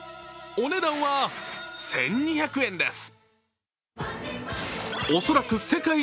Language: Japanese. お値段は、１２００円です。